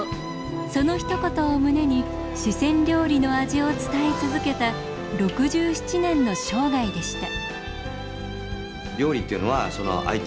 そのひと言を胸に四川料理の味を伝え続けた６７年の生涯でした。